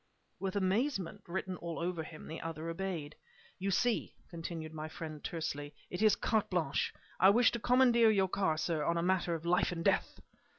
With amazement written all over him, the other obeyed. "You see," continued my friend, tersely "it is carte blanche. I wish to commandeer your car, sir, on a matter of life and death!".